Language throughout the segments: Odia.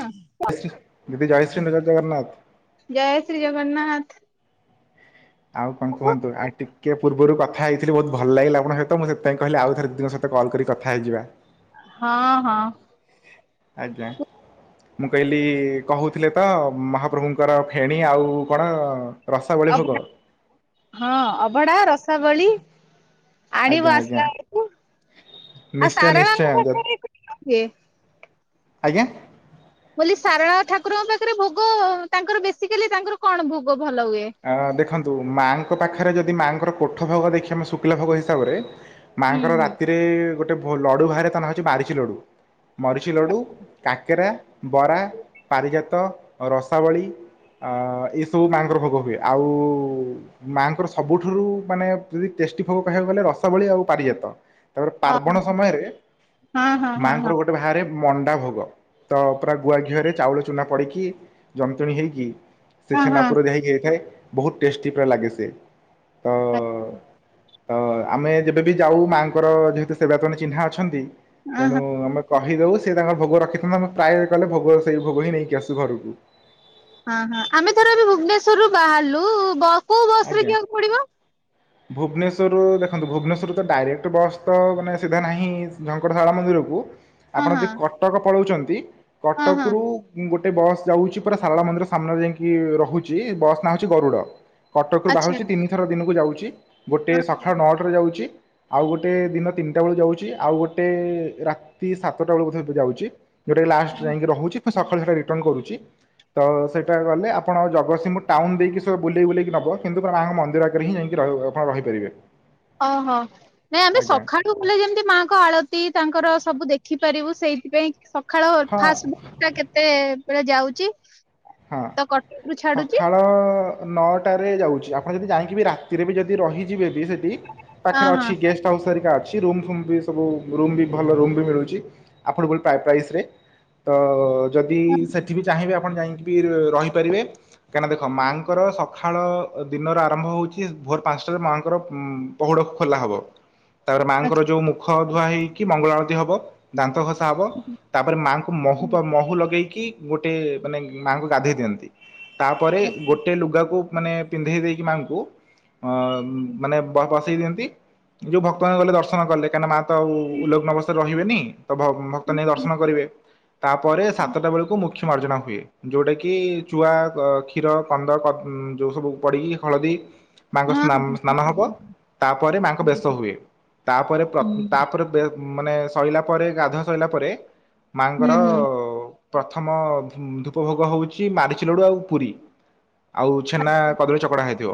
ଜୟ ଜୟଶ୍ରୀ ଦିଦି ଜୟଶ୍ରୀ ନଗର ଜଗନ୍ନାଥ। ଜୟ ଶ୍ରୀ ଜଗନ୍ନାଥ। ଆଉ କଣ କୁହନ୍ତୁ ଆଉ ଟିକେ ପୂର୍ବ ପୂର୍ବରୁ କଥା ହେଇଥିଲି ବହୁତ ଭଲ ଲାଗିଲା ଆପଙ୍କ ସହିତ ମୁଁ ସେଥିପାଇ କହିଲିଆଉଥରେ ଦିଦିଙ୍କ ସହିତ କଲ କରି କଥାହୋଇଯିବା। ହଁ ହଁ। ଆଜ୍ଞା। ମୁଁ କହିଲି କହୁଥିଲେ ତ ମହାପ୍ରଭୁଙ୍କର ଫେଣୀ ଆଉ କଣ ରସାବଳି ଅଭଡ଼ା ଭୋଗ। ହଁ ଅଭଢା ରସାବଳି ଆଣିବ ଆଜ୍ଞା ଆଜ୍ଞା ଆସିଲା ବେଳକୁ ଆଉ ନିଶ୍ଚୟ ସାରଣ ନିଶ୍ଚୟ ଙ୍କୁ ପଠେଇ ଦେଇଥିବ ଯେ। ଆଜ୍ଞା। ବୋଲି ସାରଳା ଠାକୁରଙ୍କ ପାଖରେ ଭୋଗ ତାଙ୍କର ବେସିକାଲି ତାଙ୍କର କଣ ଭୋଗ ଭଲ ହୁଏ? ଅ ଦେଖନ୍ତୁ ମାଆଙ୍କ ପାଖରେ ଯଦି ମାଆଙ୍କର କୋଠ ଭୋଗ ଦେଖିବା ଆମେ ଶୁକିଲା ଭୋଗ ହିସାବରେ। ହୁଁ ମାଆଙ୍କର ହୁଁ ରାତିରେ ଗୋଟେ ଭୋ ଲଡୁ ବାହାରେ ତା ନାଁ ହଉଛି ବାରିଚି ଲଡୁ ମରିଚି ଲଡୁ। କାକେରା ବରା ପାରିଜାତ ରସାବଳୀ। ଆ ଏଇସବୁ ମାଆଙ୍କର ଭୋଗ ହୁଏ ଆଉ ମାଆଙ୍କର ସବୁଠାରୁ ମାନେ ଯଦି ଟେଷ୍ଟି ଭୋଗ କହିବାକୁ ଗଲେ ରସାବଳି ଆଉ ପାରିଜାତ। ତାପରେ ପାର୍ବଣ ସମୟରେ ହଁ ହଁ ହଁ ମାଙ୍କର ହଁ। ଗୋଟେ ବାହାରେ ମଣ୍ଡା ଭୋଗ। ତ ପୁରା ଗୁଆ ଘିଅରେ ଚାଉଳ ଚୁନା ପଡିକି ଯନ୍ତୁଣୀ ହେଇକି ସେ ହଁ ଛେନା ହଁ ପୁର ଦିଆ ହେଇକି ହେଇ ବହୁତ ଟେଷ୍ଟି ପୁରା ଲାଗି ସେ। ତ ଆ ତ ଆମେ ଯେବେବି ଯାଉ ମାଆଙ୍କର ଯେହେତୁ ସେବାୟତ ମାନେଚିହ୍ନା ଅଛନ୍ତି ଅ ତେଣୁ ହଁ। ଆମେ କହିଦଉ ସେ ତାଙ୍କ ଭୋଗ ରଖିଥାନ୍ତି ଆମେ ପ୍ରାୟ ଗଲେ ଭୋଗ ସେଇ ଭୋଗ ହିଁ ନେଇକି ଆସୁ ଘରକୁ। ହଁ ହଁ ଆମେ ଥରେ ଭୁବନେଶ୍ୱରରୁ ବାହାରିଲୁ ବସ କୋଉ ରେ ଆଜ୍ଞା। ଯିବାକୁ ପଡିବ? ଭୁବନେଶ୍ୱରରୁ ଦେଖନ୍ତୁ ଭୁବନେଶ୍ୱର ତ ଡାଇରେକ୍ଟ ବସ୍ ତ ମାନେ ସିଧା ନାହିଁ ଝଙ୍କଟଶାଳା ମନ୍ଦିରକୁ। ହଁ ଆପଣ ହଁ ଯଦି କଟକ ପଳଉଛନ୍ତି ହଁ ହଁ କଟକ ରୁ ଗୋଟ୍ ଟେ ବସ୍ ଯାଉଛି ପୁରା ସାରଳ ମନ୍ଦିର ସାମ୍ନାରେ ଯାଇକି ରହୁଛି ବସ୍ ନାଁ ହଉଛି ଗରୁଡ। କଟକରୁ ଆଚ୍ଛା ବାହାରୁଛି ତିନିଥର ଦିନକୁ ଯାଉଛି ଗୋଟେ ସକାଳ ହଁ। ନଅଟାରେ ଯାଉଛି। ଆଉ ଗୋଟେ ଦିନ ତିନିଟା ବେଳକୁ ଯାଉଛି ଆଉ ଗୋଟେ ରାତି ସାତଟା ବେଳକୁ ବୋଧେ ଏବେ ଯାଉଛି। ଯଉଟା କି ଲାଷ୍ଟ ଯାଇକି ରହୁଛି ସକାଳ ସେଟା ରିଟନ୍ କରୁଛି। ତ ସେଇଟା ଗଲେ ଆପଣ ଜଗତସିଂହପୁର ଟାଉନ ଦେଇକି ବୁଲେଇ ବୁଲେଇି କି ନବ। କ କିନ୍ତୁ ତାଙ୍କ ମନ୍ଦିର ଆଗରେ ହିଁ ଯାଇକି ହିଁ ଆପଣ ରହିପାରିବେ। ଓହୋ ନାଇଁ ଆମେ ଆଜ୍ଞା ସକାଳୁ ତୁ ପୁଲେ ଯେମିତି ମାଙ୍କ ଆଳତି ତାଙ୍କର ସବୁ ଦେଖିପାରିବୁ ସେଇଥିପାଇଁ ସକାଳ ହଁ ଫାଷ୍ଟ କେତେବେଳେ ଯାଉଛି? ହଁ ତ କଟକରୁୁ ଛାଡୁଛି ସକାଳ ନଅଟାରେ ଯାଉଛି ଆପଣ ଯଦି ଯାଇକି ବି ରାତିରେ ବି ଯଦି ରହିଯିବେ ବି ସେଇଠି ହଁ ପାଖରେ ହଁ ଅଛି ଗେଷ୍ଟ ତାଉସରିକା ଅଛି ରୁମ ଫୁମ ବି ସବୁ ରୁମ ବି ଭଲ ରୁମ ବି ମିଳୁଛି ଆଫ୍ରୋଡେବ୍ଲଉଲି ପ୍ରାଇସ ରେ। ତ ଯଦି ସେଠି ବିି ଚାହିଁବେ ଆପଣ ଯାଇକି ବି ରହିପାରିବେ। କାହିଁକିନା ଦେଖ ମାଆଙ୍କର ସକାଳ ଦିନର ଆରମ୍ଭ ହଉଛି ଭୋର ପାଞ୍ଚଟାରେ ମାଆଙ୍କର। ପହୁଡକୁ ଖୋଲା ହବ ତାପରେ ମାଆଙ୍କର ଆଚ୍ଛା ଯୋଉ ମୁଖ ଧୁଆ ହେଇକି ମଙ୍ଗଳା ଆଳତିୀ ହବ ଦାନ୍ତ ଘ ହବ ତାପରେ ମାଙ୍କୁ ମହୁ ମହୁ ଲଗେଇକି ଗୋଟେ ମାନେ ମାଙ୍କୁ ଗାଧେଇ ଦିଅନ୍ତି। ତାପରେ ଗୋଟେ ଲୁଗାକୁ ମାନେ ପିନ୍ଧେଇ ଦେଇକି ମାଙ୍କୁ। ଅ ମାନେ ବସେଇ ଦିଅନ୍ତି ଯୋଉ ଭକ୍ତମାନୋନ ଗଲେ ଦର୍ଶନ କଲେ କାଁକି ମା ତ ଉଲଲଗ୍ନ ଅବସ୍ଥାରେ ରହିବେନି ତ ଭକ୍ତ ନେଇ ଦର୍ଶନ କରିବେ। ତାପରେ ସାତଟା ବେଳକୁ ମୁଖ୍ୟ ମାର୍ଜନା ହୁଏ। ଯୋଉଟା କିି ଚୁଆ କ୍ଷୀର କନ୍ଦ ଯୋଉ ସବୁ ପଡିକି ହଳଦୀ। ମାଙ୍କ ସ୍ ସ୍ନାନ ହବ ତାପରେ ମାଙ୍କ ବେଶ ହୁଏ ତାପରେ ତାପରେ ମାନେ ଶୋଇଲା ପରେ ଗାଧଆ ସୋଇଲା ପରେ ମାଆଙ୍କର ପ୍ରଥମ ଧୂପ ଭୋଗ ହଉଛି ମାରିଚ ଲଡ଼ୁ ଆଉ ପୁରୀ ଆଉ ଛେନା କଦଳୀ ଚକଡା ହେଇଥିବ।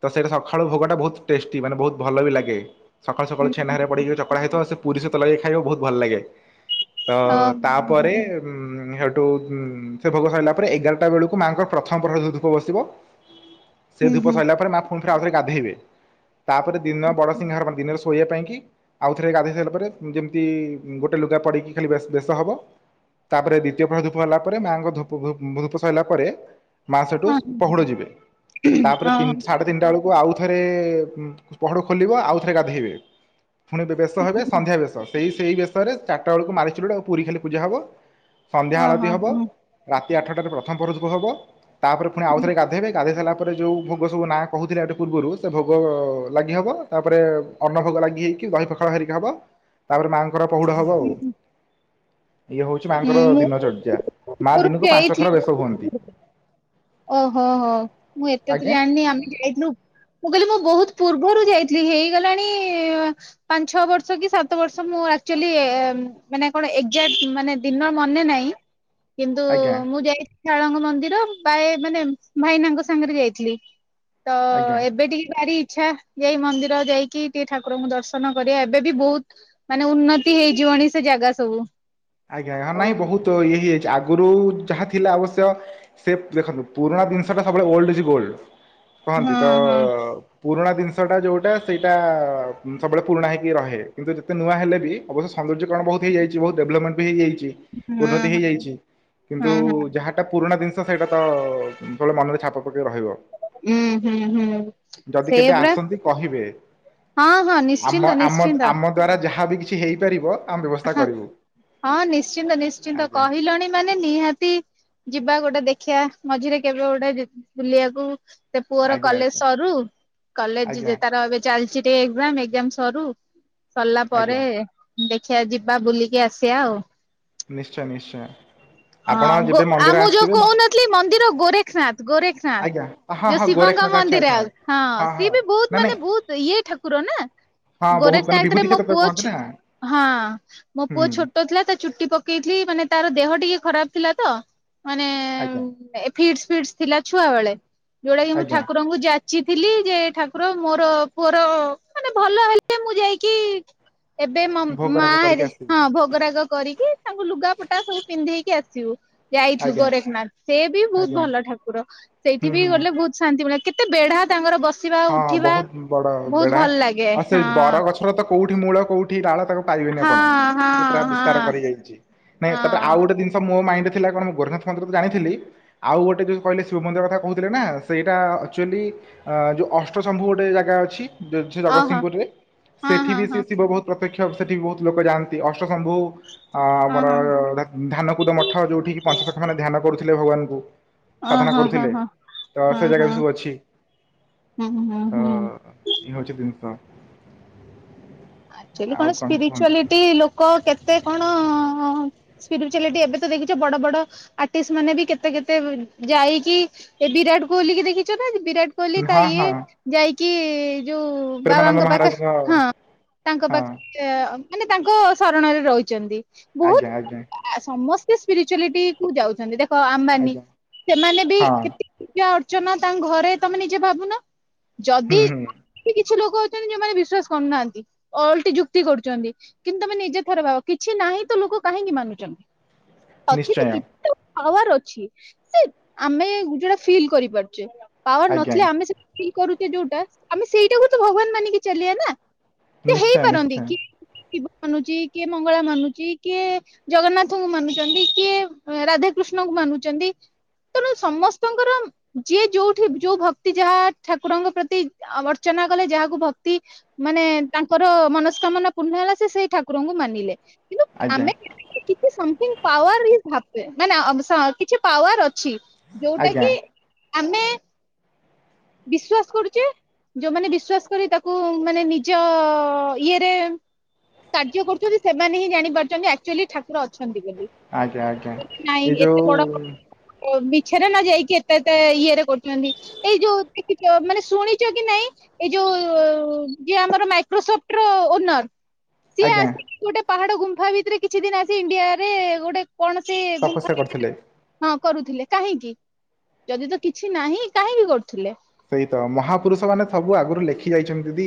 ତ ସେଇଟା ସକାଳୁ ଭୋଗଟା ବହୁତ ଟେଷ୍ଟି ମାନେ ବହୁତ ଭଲ ବି ଲାଗେ। ସକାଳୁ ସକାଳୁ ଛେନା ରେ ପଡିକି ଚକଡା ହେଇଥିବ ସେ ପୁରୀ ସେ ତଳଗାଇ ଖାଇବ ବହୁତ ଭଲ ଲାଗେ। ତ ତାପରେ ଉ ସେଠୁ ସେ ଭୋଗ ସରିଲା ପରେ ଏଗାରଟା ବେଳକୁ ମାଆଙ୍କର ପ୍ରଥମ ପ୍ରଥର ଯୋଉ ଧୂପ ବସିବ ସେ ଧୂପ ସରିଲା ପରେ ମା ଆଉ ଗାଧେଇ ତାପରେ ଦିନ ବଡ ସଂ ଦିନ ଶୋଇବା ପାଇଁକି ଆଉଥରେ ଗାଧୋଇ ସାରିଲା ପରେ ଯେମିତି ଗୋଟେ ଲୁଗା ପଡ଼ିକି ଖାଲି ବେଶ ବେଶ ହେବ। ତାପରେ ଦ୍ୱିତୀୟ ପ୍ର ଧୂପ ହେଲା ପରେ ମାଙ୍ଗ ମା ସେଠୁ ତିନଟା ବେଳକୁ ଆଉଥରେ ପହଡ ଖୋଲିବ ଆଉ ଥରେ ଗାଧେଇବେ। ପୁଣି ବେଶ ହେବେ ସନ୍ଧ୍ୟା ବେଶ ସେଇ ସେଇ ବେଶରେ ଚାରିଟା ବେଳକୁ ମାରି ଆକୁ ପୁରୀ ଖାଲି ପୂଜା ହବ। ସନ୍ଧ୍ୟା ଆଳତିୀ ହେବ ରାତି ଆଠଟାରେ ପ୍ରଥମ ପରଷକୁ ହେବ। ତାପରେ ପୁଣି ଆଉଥରେ ଗାଧୋଇବେ ଗାଧୋଇ ସାରିଲା ପରେ ଯେଉଁ ଭୋଗ ସବୁ ନାଁ କହୁଥିଲେ ଗଟି ପୂର୍ବରୁ ସେ ଭୋଗ ଲାଗି ହେବ। ତାପରେ ଅନ୍ନ ଭୋଗ ଲାଗି ହେଇକି ଦହି ପଖାଳ ହେରିକି ହବ ତାପରେ ମାଆଙ୍କର ପହୁଡ ହବ ଆଉ। ଇଏ ହଉଛି ମାଆଙ୍କର ଦିନଚର୍ଯ୍ୟା ମା ଓହୋ। ଦିନକୁ ପାଞ୍ଚ ଥର ବେଶ ଯାଇଥିଲି ହୁଅନ୍ତି। ଓହୋ ହୋ ମୁଁ ଏତେ ତ ଆଜ୍ଞା ଜାଣିନି ଆମେ ଯାଇଥିଲୁ। ମୁଁ କହିଲି ମୁଁ ବହୁତ ପୂର୍ବରୁ ଯାଇଥିଲି ହେଇଗଲାଣି ପାଞ୍ଚ ଛଅ ବର୍ଷ କି ସାତ ବର୍ଷ ମୁଁ ଆଚୁଆଲି ମାନେ କଣ ଏକ୍ଜାକ୍ଟ ମାନେ ଦିନ ମନେ ନହିଁ। ହ କିନ୍ତୁ ମୁଁ ଯାଇଛି ଶଳଙ୍ଗ ମନ୍ଦିର।। ପାଏ ମାନେ ଭାଇନାଙ୍କ ସାଙ୍ଗରେ ଯାଇଥିଲି ତ ଆଜ୍ଞା। ଏବେ ଟିକେ ଭାରି ଇଚଛା ଏଇ ମନ୍ଦିର ଯାଇକି ଟିକ ଠାକୁରଙ୍କୁ ଦର୍ଶନ କରିବା ଏବେ ବି ବହୁତ ମାନେ ଉନ୍ନତି ହେଇଯିବନି ସେ ଜାଗା ସବୁ। ଆଜ୍ଞା ଆଜ୍ ହଁ ଆଉ ନାଇଁ ବହୁତ ଇଏ ହେଇଯାଇଛି ଆଗରୁ ଯାହା ଥିଲା ଆବଶ୍ୟକ ସେ ଦେଖନ୍ତୁ ପୁରୁଣା ଜିନିଷଟା ସବବେଳେ ଓଲଡଛି ଗୋଲ୍ଡ। କୁହନ୍ତି ହଁ ତ ହଁ ପୁରୁଣା ଜିନିଷଟା ଯେଉଁଟା ସେଇଟା ସବୁବେଳେ ପୁରୁଣା ହେକି ରହେ କିନ୍ତୁ ଯେତେ ନୂଆ ହେଲେ ବି। ଅବଶ ସୌନ୍ଦର୍ଯ୍ୟରଣ ବହୁତଇଯାଇଛି ବହୁତଡେଭଲପମଣ୍ଟ ହେଇଇଯାଇଛି। ଉନ୍ନତି ହଁ ହେଇଯାଇଛି ହଁ କିନ୍ତୁ ହଁ ହଁ ଯାହା ସେଟା ପୁରୁଣା ଜିନିଷ ସେଇଟା ତ ମନରେ ଛାପ ପକେଇ ରହିବ। ହୁଁ ହୁଁ ହୁଁ ଯଦି କେବେ ସେଇପା। ଆସନ୍ତି କହିବେ। ହଁ ହଁ ଆମ ନିଶ୍ଚିନ୍ତ ଆମ ନିଶ୍ଚିନ୍ତ। ଆମ ଦ୍ଵାରା ଯାହା ବି କିଛି ହେଇପାରିବ ଆମେ ବ୍ୟବସ୍ଥା ହଁ କରିବୁ? ହଁ ନିଶ୍ଚିନ୍ତ ନିଶ୍ଚିନ୍ତ ଆଜ୍ଞା କହିଲଣି ମାନେ ନିହାତି ଯିବା ଗୋଟେ ଦେଖିବା ମଝିରେ କେବେ ଗୋଟେ ବୁଲିବାକୁ? ସେ ପୁଅର ଆଜ୍ଞା ଆଜ୍ଞା କଲେଜ ସରୁ କଲେଜ ଆଜ୍ଞା ଯେ ତାର ଏବେ ଚାଲିଛି ଟିକେ ଏକ୍ସାମ ସରୁ। ସରିଲା ପରେ ଆଜ୍ଞା। ଦେଖିବା ଯିବା ବୁଲିକି ଆସିବା ଆଉ ନିଶ୍ଚୟ ନିଶ୍ଚୟ। ଆପଣ ହଁ ଗୋ ଯେବେ ଆ ମନ୍ଦିର ମୁଁ ଯୋଉ ଆସିବେ ମ କହୁନଥିଲି ମନ୍ଦିର ଗୋରେଖନାଥ ଗୋରେଖନାଥ। ଆଜ୍ଞା ହଁ ହାଁ ଯୋଉ ହଁ ଶିବଙ୍କ ଗୋରେଖନାଥ ଆଚ୍ଛା ମନ୍ଦିର ଆଚ୍ଛା ଆଉ ହଁ ସିଏ ବି ବହୁତ ମାନେ ବହୁତ ଇଏ ଠାକୁର ନା। ହଁ ବହୁତ ମାନେ ଗୋରେଖନାଥରେ ବିଭୂତି ମୋ କ୍ଷେତ୍ର ତାକୁ ପୁଅ କହନ୍ତି ଛୋ ନା ହଁ ମୋ ପୁଅ ହୁଁ ଛୋଟ ଥିଲା ତା ଚୁଟି ପ ପକେଇଥିଲି ମାନେ ତାର ଦେହ ଟିକେ ଖରାପ ଥିଲା ତ ମାନେ ଆଜ୍ଞା। ଫିଡସ ଫିଡସ ଥିଲା ଛୁଆ ବେଳେ ଯୋଉଟା କି ମୁଁ ଆଜ୍ଞା ଠାକୁରଙ୍କୁ ଯା ଯାଚିଥିଲି ଯେ ଠାକୁର ମୋର ପୁଅର ମାନେ ଭଲ ହେଲେ ମୁଁ ଯାଇକି ଏବେ ମାମ ଭୋଗରାଗ କରିକି ମାରେ ଆସିବି ହଁ ଭୋଗରାଗ କରିକି ତାଙ୍କୁ ଲୁଗା ପଟା ସବୁ ପିନ୍ଧେଇକି ଆସିବୁ ଯାଇଥିଲୁ ଆଜ୍ଞା ଗୋରେଖନାଥ ସେ ବି ବହୁତ ଆଜ୍ଞା ଭଲ ଠାକୁର ସେଇଠି ହୁଁ ବି ହୁଁ ଗଲେ ବହୁତ ଶାନ୍ତି ମିଳେ କେତେ ବେଢା ତାଙ୍କର ବସିବା ହଁ ଉଠିବା ବହୁତ ବହୁତ ଭଲ ଲାଗେ ହଁ। ତାର ତ କୋଉଠି ମୂଳ କୋଉ କୋଉଠି ଡାଳ ତାକୁ ପାଇବେନି ହଁ ଆପଣ ହଁ ସେ ପୁରା ବିସ୍ତାର ହଁ। କରିଯାଇଛି ହଁ ନାଇଁ ତାପରେ ଆଉ ଗୋଟେ ଜି ମୋ ମାଇଣ୍ଡ ଥିଲା କଣ ଗୋରଖନାଥ ମନ୍ଦିର ତ ଜାଣିଥିଲି? ଆଉ ଗୋଟେ ଯୋଉ କହିଲେ ଶିବ ମନ୍ଦିର କଥା କହୁଥିଲେ ନା ସେଇଟା ଆକ୍ଚୁଆଲି ଯୋଉ ଅଷ୍ଟଶମ୍ଭୁ ଗୋଟେ ଜାଗା ଅଛି ଓହୋ ଜଗତସିଂହପୁରରେ ହଁ ସେଠି ହଁ ବି ହଁ ସେ ଶିବ ବହୁତ ପ୍ରତ୍ୟକ୍ଷ ସେଠି ବି ବହୁତ ଲୋକ ଯାଆନ୍ତି ଅଷ୍ଟଶମ୍ଭୁ ଅ ଓ ଆମର ହଁ ଧ୍ୟାନକୁଦ ମଠ ଯୋଉଠିିକି ପଞ୍ଚସଖାମାନେ ଧ୍ୟାନ କରୁଥିଲେ ଭଗବାନଙ୍କୁ। ଓ ସାଧନା ହଁ ହଁ କରୁଥିଲେ ତ ହଁ ସେ ହଁ ଯାଗା ବି ହଁ ସବୁ ଅଛି। ହୁଁ ହୁଁ ତ ହୁଁ। ଏଇ ହଉଛି ଜିନିଷ। ଏକ୍ଟୁଆଲି ଆଉ କଣ କୁହନ୍ତୁ ସ୍ପିରିଚୁଆଲିଟି ଲୋକ କେତେ କଣ? ସ୍ପିରିଚୁଆଲିଟି ଏବେ ତ ଦେଖିଛ ବଡ ବଡ ଆର୍ଟିଷ୍ଟ ମାନେ ବି କେତେ କେତେ ଯାଇକି ଏ ବିରାଟ କୋହଲି କି ଦେଖିଛ ନା ବିରାଟ କୋହିଲି ତା ହଁ ହଁ ଇଏ ଯାଇକି ଯୋଉ ପ୍ରେମାନନ୍ଦ ବାବାଙ୍କ ପାଖରେ ମହାରାଜଙ୍କ ହଁ ତାଙ୍କ ହଁ ପାଖରେ ମାନେ ତାଙ୍କ ଶରଣରେ ରହିଛନ୍ତି ଆଜ୍ଞା ବହୁତ ଆଜ୍ଞା ଆ ସମସ୍ତେ ସ୍ପିରିଚୁଆଲିଟିକୁ ଯାଉଛନ୍ତି ଦେଖ ଆମ୍ବାନୀ ଆଜ୍ଞା ସେମାନେ ବି ହଁ କେତେ ପୂଜା ଅର୍ଚ୍ଚନା ତାଙ୍କ ଘରେ ତମେ ନିଜେ ଭାବୁନ ଯଦି ହୁଁ ହୁଁ କିଛି ଲୋକ ଅଛନ୍ତି ଯୋଉମାନେ ବିଶ୍ଵାସ କରୁନାହାନ୍ତି। ଓଲ୍ଟି ଯୁକ୍ତି କରୁଛନ୍ତି କିନ୍ତୁ ତମେ ନିଜେ ଥର ଭାବ କିଛି ନାହିଁ ତ ଲୋକ କାହିଁକି ମାନୁଛନ୍ତି? [inaudible] ଅଛି ତ କିଛି ତ ପାୱାର ଅଛି ସେ ଆମେ ଯୋଉଟା ଫିଲ୍ କରିପାରୁଛେ। ପାୱାର ଆଜ୍ଞା ନଥିଲେ ଆମେ ସେଠି ଫିଲ୍ କରୁଛେ ଯୋଉଟା ଆମେ ସେଇଟାକୁ ତ ଭଗବାନ ମାନିକି ଚାଲିବା ନା। ସେ ନିଶ୍ଚୟ ହେଇପାରନ୍ତି ନିଶ୍ଚୟ କିଏ ଶିବ ମାନୁଛି କିଏ ମଙ୍ଗଳା ମାନୁଛି କିଏ? ଜଗନ୍ନାଥଙ୍କୁ ମାନୁଛନ୍ତି କିଏ ରାଧାକୃଷ୍ଣଙ୍କୁ ମାନୁଛନ୍ତି? ତେଣୁ ସମସ୍ତଙ୍କର ଯିଏ ଯୋଉଠି ଯୋଉ ଭକ୍ତି ଯାହା ଠାକୁରଙ୍କ ପ୍ରତି ଅର୍ଚ୍ଚନା କଲେ ଯାହାକୁ ଭକ୍ତି ମାନେ ତାଙ୍କର ମନସ୍କାମନା ପୂର୍ଣ୍ଣ ହେଲା ସେ ସେଇ ଠାକୁରଙ୍କୁ ମାନିଲେ କିନ୍ତୁ ଆଜ୍ଞା ଆମେ [inaudible] କିଛି ସମଥିଙ୍ଗ ପାୱାରବି ଭାବେ ମାନେ କିଛି ପାୱାର ଅଛି ଯୋଉଟା ଆଜ୍ଞା କି ଆମେ ବିଶ୍ଵାସ କରୁଛେ। ଯୋଉମାନେ ବିଶ୍ଵାସ କରି ତାକୁ ମାନେ ନିଜ ଇଏରେ କାର୍ଯ୍ୟ କରୁଛନ୍ତି ସେମାନେ ହିଁ ଜାଣିପାରୁଛନ୍ତି ଆକ୍ଟୁଆଲି ଠାକୁର ଅଛନ୍ତି ବୋଲି। ଆଜ୍ଞା, ଆଜ୍ଞା ଏଇ ଯୋଉ ଓ ମିଛରେ ନ ଯାଇକି ଏତେ ଏତେ ଇଏରେ କରୁଛନ୍ତି। ଏଇ ଯୋଉ ଦେଖିଛ ମାନେ ଶୁଣିଚ କି ନାଇଁ ଏଇ ଯୋଉ ଯିଏ ଆମର ମାଇକ୍ରୋସଫ୍ଟ ର ଓନର୍ ସିଏ ଆଜ୍ଞା ଆସିକି ଗୋଟେ ପାହାଡ ଗୁମ୍ଫା ଭିତରେ କିଛି ଦିନ ଆସି ଇଣ୍ଡିଆରେ ଗୋଟେ କୌଣସି ଗୁମ୍ଫା ତପସ୍ୟା କରୁଥିଲେ [inaudible] ହଁ କରୁଥିଲେ କାହିଁକି ଯଦି ତ କିଛି ନାହିଁ କାହିଁକି କରୁଥିଲେ? ସେଇତ ମହାପୁରୁଷ ମାନେ ସବୁ ଆଗରୁ ଲେଖି ଯାଇଛନ୍ତି। ଯଦି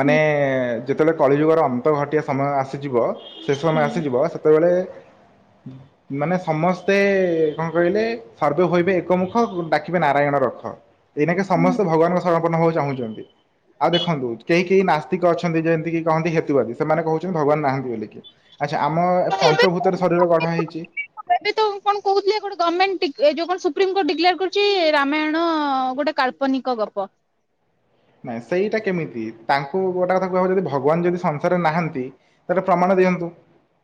ମାନେ ହୁଁ ଯେତେବେଳେ କଳିଯୁଗର ଅନ୍ତ ଘଟିିବା ସମୟ ଆସିଯିବ। ସେ ସମୟ ହୁଁ ଆସିଯିବ ସେତେବେଳେ ହୁଁ। ମାନେ ସମସ୍ତେ କଣ କହିଲେ? ସର୍ବେ ହୋଇବେ ଏକମୁଖ ଡାକିବେ ନାରାୟଣ ରଖ। ଏଇନାକେ ହୁଁ ସମସ୍ତେ ଭଗବାନଙ୍କ ସରଣ ପୂର୍ଣ୍ଣ ହବାକୁ ଚାହୁଁଚନ୍ତି। ଆଉ ଦେଖନ୍ତୁ କେହି କେହି ନାସ୍ତିକ ଅଛନ୍ତି ଯେମିତିକି କହନ୍ତି ହେତୁବାଦୀ। ସେମାନେ କହୁଛନ୍ତି ଭଗବାନ ନାହାନ୍ତି ବୋଲିକି। ଆଚ୍ଛା ଆମ ପଞ୍ଚଭୂତରେ ଶରୀର ଗଢା ହେଇଛି। ସିଏ କଣ ଏବେ ତ କଣ କହୁଥିଲେ ଗୋଟେ ଗମେଣ୍ଟ ଡିକ୍ ଏ ଯୋଉ କଣ ସୁପ୍ରିମକୋର୍ଟ ଡିକ୍ଲାର୍ କରୁଛି ରାମାୟଣ ଗୋଟେ କାଳ୍ପ ନିକ ଗପ। ନାଇଁ ସେଇଟା କେମିତି ତାଙ୍କୁ ଗୋଟେ କଥା କୁହା ହବ ଯଦି ଭଗବାନ ଯଦି ସଂସାରରେ ନାହାନ୍ତି। ତାର ପ୍ରମାଣ ଦିଅନ୍ତୁ।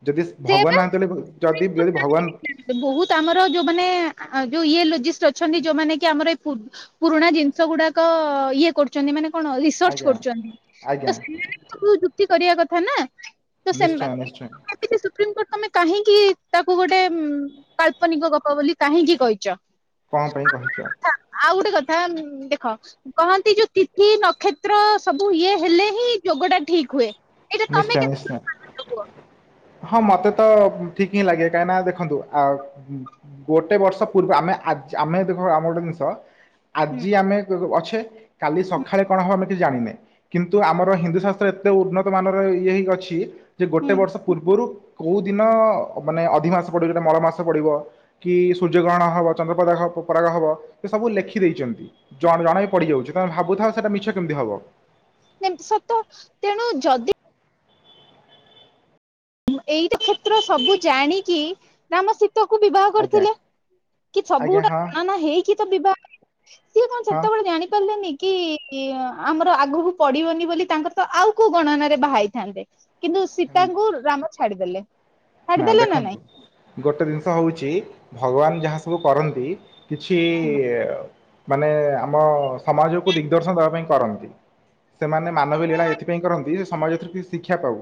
ଯଦି ସେ ଭଗବାନ ବା ନାହାଁନ୍ତି ବୋଲି ବୁ-ଯଦି [unintelligible] ଭଗବାନ। ବହୁତ ଆମର ଯୋଉମାନେ ଆ, ଯୋଉ ଇଏ ଲୋଜିଷ୍ଟ ଅଛନ୍ତି ଯୋଉମାନେ କି ଆମର ଏଇ ପୂର୍ ପୁରୁଣା ଜିନିଷ ଗୁଡାକ ଇଏ କରୁଚନ୍ତି, ମାନେ କଣ ରିସର୍ଚ୍ଚ ଆଜ୍ଞା। କରୁଚନ୍ତି। ତ ଆଜ୍ଞା ସେମାନେ କୁ ଯୁକ୍ତି କରିଆ କଥା ନା। ତ ସେମା ନିଶ୍ଚୟ ନିଶ୍ଚୟ କି ସେ ସୁପ୍ରିମକୋର୍ଟ ତୋମେ କାହିଁକି ତାକୁ ଗୋଟେ ହୁଁ, କାଳ୍ପନିକ ଗପ ବୋଲି କାହିଁକି କହିଚ? କଣ ପାଇଁ କହିଚ? ଆଉ ଗୋଟେ କଥା ଉଁ, ଦେଖ କହନ୍ତି ଯୋଉ ତିଥି ନକ୍ଷତ୍ର ସବୁ ଇଏ ହେଲେ ହିଁ ଯୋଗ ଟା ଠିକ୍ ହୁଏ। ଏଇଟା ତମେ ନିଶ୍ଚୟ, କେତେ ନିଶ୍ଚୟ। ଗୁରୁତ୍ୱ କୁହ ହଁ ମୋତେ ତ ଠିକ ହିଁ ଲାଗେ, କାହିଁକି ନା ଦେଖନ୍ତୁ ଆ, ହୁଁ, ଗୋଟେ ବର୍ଷ ପୂର୍ବ ଆମେ ଆଜ୍ ଆମେ ଦେଖ ଆମର ଗୋଟେ ଜିନିଷ ହୁଁ ଆଜି ଆମେ ଗ-ଗ-ଅଛେ, କାଲି ସଖାଳେ କଣ ହବ ଆମେ କିଛି ଜାଣିନେ। କିନ୍ତୁ ଆମର ହିନ୍ଦୁ ଶାସ୍ତ୍ର ଏତେ ଉନ୍ନତ ମାନର ଇଏ ହେଇକି ଅଛି। ଯେ ଗୋଟେ ହୁଁ ବର୍ଷ ପୂର୍ବରୁ କୋଉ ଦିନ ମାନେ ଅଧି ମାସ ପଡ଼ିବ ଯୋଉଟା ମଳ ମାସ ପଡ଼ିବ। କି ସୂର୍ଯ୍ୟ ଗ୍ରହଣ ହବ ଚନ୍ଦ୍ରପଦାଗ ହ ପ-ପରାଗ ହବ। ସେ ସବୁ ଲେଖି ଦେଇଚନ୍ତି। ଜଣ ଜଣାଇ ପଡ଼ିଯାଉଛି। ତୋମେ ଭାବୁଥାଉ ସେଟା ମିଛ କେମିତି ହବ? ଯେମତି ସତ, ତେଣୁ ଯଦି ଏଇ ତ କ୍ଷେତ୍ର ସବୁ ଜାଣିକି ରାମ ସୀତାଙ୍କୁ ବିବାହ ଆଜ୍ଞା କରିଥିଲେ। କି ସବୁ ଆଜ୍ଞା ଗୁଡା ନା ନା ହେଇକି ତ ବିବାହ, ସିଏ କଣ ହଁ ସେତେବେଳେ ଜାଣିପାରିଲେନି? କି ଆମର ଆଗକୁ ପଡିବନି ବୋଲି ତାଙ୍କର ତ ଆଉ କୋଉ ଗଣନାରେ ବାହାହେଇଥାନ୍ତେ। କିନ୍ତୁ ହଁ ସୀତାଙ୍କୁ ରାମ ଛାଡିଦେଲେ। ନା ଛାଡିଦେଲେ ନାଇଁ? ଦେଖନ୍ତୁ ଗୋଟେ ଜିନିଷ ହଉଛି, ଭଗବାନ ଯାହା ସବୁ କରନ୍ତି କିଛି ମାନେ ଆମ ସମାଜକୁ ଦିଗଦର୍ଶନ ଦବା ପାଇଁ କରନ୍ତି। ସେମାନେ ମାନବ ଲୀଳା ଏଥିପାଇଁ କରନ୍ତି, ସମାଜ ଏଥିରୁ କି ଶିକ୍ଷା ପାଉ।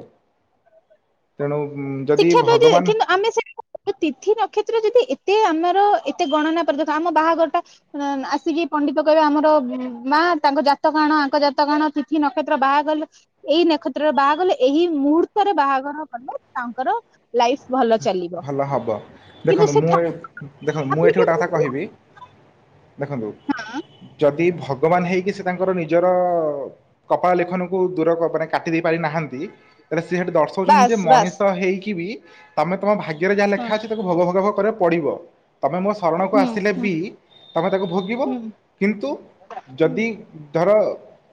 ତେଣୁ ଉଁ, ଶିକ୍ଷା ପାଇଚେ କିନ୍ତୁ ଆମେ ସେଟାକୁ ଏ ତିଥି ନକ୍ଷତ୍ର ଯଦି ଏତେ ଆମର ଏତେ ଗଣନା ପ୍ରଦକ। ଆମ ବାହାଘର ଟା ଣ-ଆସିକି ପଣ୍ଡିତ କଇବେ ଆମର ବୁଁ, ମା ତାଙ୍କ ଜାତକ ଆଣ ଆଙ୍କ ଜାତକ ଆଣ। ତିଥି ନକ୍ଷତ୍ର ବାହା କଲେ ଏଇ ନେକ୍ଷତ୍ରରେ ବାକଲେ, ଏହି ମୁହୂର୍ତ୍ତରେ ବାହାଘର କଲେ ତାଙ୍କର ଲାଇଫ ଭଲ ଚାଲିବ। ଭଲ ହବ କିନ୍ତୁ ଦେଖନ୍ତୁ ମୁଁ ସେଠା ଏ ଦେଖନ୍ତୁ ମୁଁ ଏଠି ଗୋଟେ କଥା ଆପ୍ଲିକେବୁଲ୍ ନୁହଁ। କହିବି ଦେଖନ୍ତୁ ଯଦି ଭଗ ଭଗବାନ ହେଇକି ସେ ତାଙ୍କର ନିଜର କପାଳ ଲିଖନକୁ ଦୂର କ- ମାନେ କାଟି ଦେଇ ପାରିନାହାନ୍ତି। ହେଲେ ସିଏ ସେଠି ଦର୍ଶଉଛନ୍ତି ଯେ ବାସ୍ ବାସ୍ ମଣିଷ ହେଇକି ବି ତମେ ତମ ଭାଗ୍ୟରେ ଯାହା ହଁ ଲେଖା ଅଛି। ଭଗ ଭଗ ଭ କରିଆକୁ ପଡିବ। ତମେ ମୋ ଶରଣକୁ ହୁଁ ଆସିଲେ ହୁଁ ବି ତମେ ତାକୁ ଭୋଗିବ ହୁଁ କିନ୍ତୁ ଯଦି। ଧର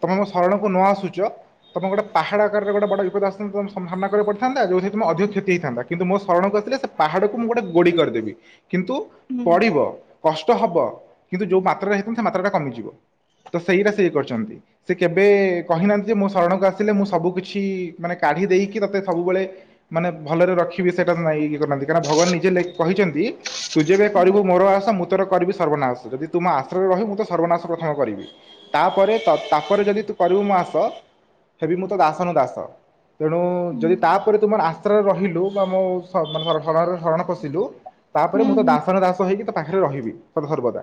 ତମେ ମୋ ଶରଣକୁ ନ ଆସୁଛ। ତମେ ଗୋଟେ ପାହାଡ ଆକାରରେ ଗୋଟେ ବିପଦ ଆସିଥାନ୍ତା। ତମ ସାମ୍ନା କରି ପଡିଥାନ୍ତା ଯଉ ତମେ ଅଧିକ କ୍ଷତି ହେଇଥାନ୍ତା। କିନ୍ତୁ ମୋ ଶରଣକୁ ଆସିଲେ ସେ ପାହାଡକୁ ମୁଁ ଗୋଟେ ଗୋଡି କରିଦେବି କିନ୍ତୁ ହୁଁ ହୁଁ ପଡିବ। କଷ୍ଟ ହବ କିନ୍ତୁ ଯେଉଁ ମାତ୍ରାରେ ହେଇଥାନ୍ତା ସେ ମାତ୍ରାଟା କମିଯିବ ତ ସେଇରା ସିଏ କଇଛନ୍ତି। ସେ କେବେ କହିନାହାନ୍ତି ଯେ ମୋ ଶରଣକୁ ଆସିଲେ ମୁଁ ସବୁକିଛି ମାନେ କାଢ଼ି ଦେଇକି ତତେ ସବୁବେଳେ ମାନେ ଭଲରେ ରଖି ବି ସେଟା ନାଇଁ ଇଏ କରିନାହାନ୍ତି କାରଣ ଭଗବାନ ନିଜେ ଲେକ କହିଛନ୍ତି ତୁ ଯେବେ କରିବୁ ମୋର ଆଶା ମୁଁ ତର କରିବି ସର୍ବନାଶ ଯଦି ତୁମ ଆଶ୍ରୟରେ ରହିବ ମୁଁ ତ ସର୍ବନାଶ ପ୍ରଥମ କରିବି। ତାପରେ ତ ତାପରେ ଯଦି ତୁ କରିବୁ ମୋ ଆସ ହେବି ମୁଁ ତ ଦାସ ନ ଦାସ ତେଣୁ ଯଦି ତାପରେ ତୁ ମର ଆଶ୍ରରେ ରହିଲୁ ମୁଁ ସ ମାନେ ସରଣ ଶରଣରେ ଶରଣ ପଶିଲୁ ତାପରେ ହୁଁ ମୁଁ ତ ହୁଁ ଦାସନ ଦାସ ହେଇକି ତା ପାଖରେ ରହିବି। ହର୍ବଦା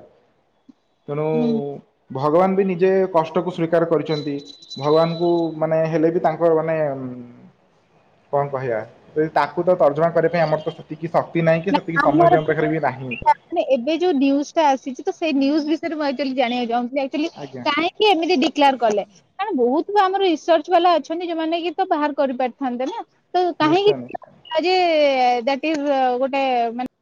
ତେଣୁ ହୁଁ ଭଗବାନ ବି ନିଜେ କଷ୍ଟକୁ ସ୍ୱୀକାର କରିଛନ୍ତି। ଭଗବାନଙ୍କୁ ମାନେ ହେଲେ ବି ତାଙ୍କର ମାନେ ଉ କଣ କହିବା? ଯଦି ତାକୁ ତ ତର୍ଜମା କରିବା ପାଇଁ ଆମର ତ ସେତିକି ଶକ୍ତି ନାହିଁ କି ନା ସେତିକି ସମୟ ବି ଆମର ଆମ ପାଖରେ ତ ବି ନାହିଁ। ମାନେ ଏବେ ଯୋଉ ନ୍ୟୁଜଟା ଆସିଚି ତ ସେଇ ନ୍ୟୁଜ୍ ବିଷୟ ରେ ମୁଁ ଆକଚୁଆଲି ଜଣିବାକୁ ଚାହୁଁ ଆକଚୁଆଲି। ଆଜ୍ଞା। କାହିଁକି ଏମିତି ଡିକଲାର କଲେ? କାରଣ ବହୁତ ଆମର ରିସର୍ଚ ବାଲା ଅଛନ୍ତି ଯୋଉମାନେ କି ତ ବାହାର କରିପାରିଥାନ୍ତେ ନା। ତ ନିଶ୍ଚୟ ନିଶ୍ଚୟ। କାହିଁକି ଆଜି ଦିଆଟ ଇଜ ଗୋଟେ ମାନେ [unintelligible]